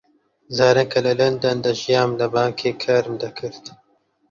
جاران کە لە لەندەن دەژیام لە بانکێک کارم دەکرد.